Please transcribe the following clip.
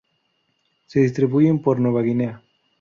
Se distribuyen por Nueva Guinea.